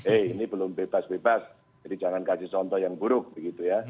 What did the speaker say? eh ini belum bebas bebas jadi jangan kasih contoh yang buruk begitu ya